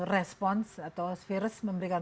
respons atau virus memberikan